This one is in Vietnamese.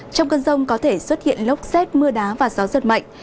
trong cơn rông có thể xuất hiện lốc xét mưa đá và gió giật mạnh